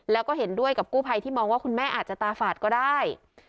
แล้วก็เห็นด้วยกับกู้ภัยที่มองว่าคุณแม่อาจจะตาฝาดก็ได้